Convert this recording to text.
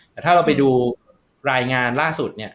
แต่ถ้าเราไปดูรายงานล่าสุดเนี่ย